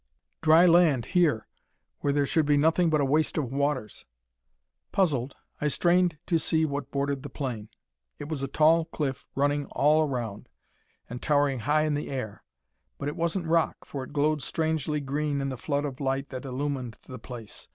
Dry land, here, where there should be nothing but a waste of waters! Puzzled, I strained to see what bordered the plain. It was a tall cliff, running all around, and towering high in the air. But it wasn't rock, for it glowed strangely green in the flood of light that illumined the place.